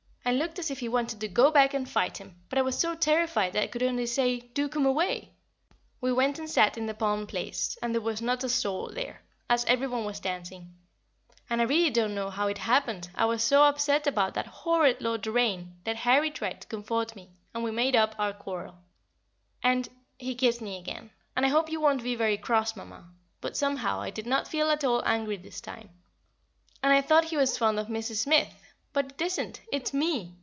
and looked as if he wanted to go back and fight him; but I was so terrified that I could only say, "Do come away!" [Sidenote: The Engagement] We went and sat in the palm place, and there was not a soul there, as every one was dancing; and I really don't know how it happened, I was so upset about that horrid Lord Doraine, that Harry tried to comfort me, and we made up our quarrel, and he kissed me again and I hope you won't be very cross, Mamma; but somehow I did not feel at all angry this time. And I thought he was fond of Mrs. Smith; but it isn't, it's Me!